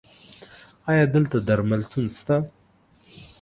ایا دلته درملتون شته؟